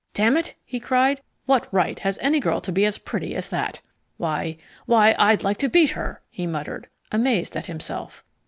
"Damn it," he cried, "what right has any girl to be as pretty as that? Why why, I'd like to beat her!" he muttered, amazed at himself.